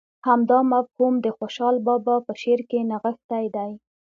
همدا مفهوم د خوشحال بابا په شعر کې نغښتی دی.